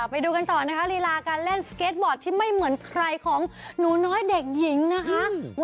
ไปดูกันต่อนะคะลีลาการเล่นสเก็ตบอร์ดที่ไม่เหมือนใครของหนูน้อยเด็กหญิงนะคะ